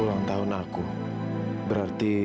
ulang tahun aku berarti